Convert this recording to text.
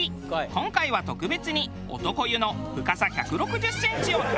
今回は特別に男湯の深さ１６０センチを体験。